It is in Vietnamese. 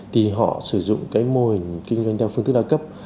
thì họ sử dụng cái mô hình kinh doanh theo phương thức đa cấp